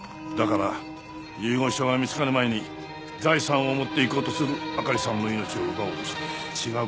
だから遺言書が見つかる前に財産を持っていこうとするあかりさんの命を奪おうとした。